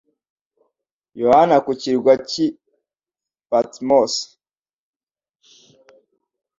yohana kucyirwa cy'i patimos